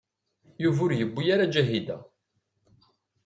Yuba ur yewwit ara Ǧahida.